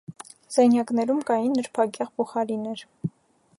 Սենյակներում կային նրբագեղ բուխարիներ։